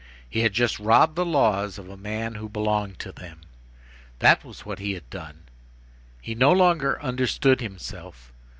He had just robbed the laws of a man who belonged to them. That was what he had done. He no longer understood himself.